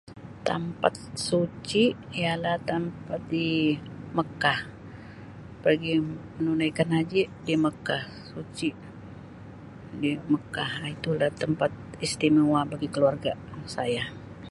Tampat suci ialah tampat di Mekah pergi menunaikan haji di Mekah suci di Mekah Um itu lah tempat istimewa bagi keluarga saya.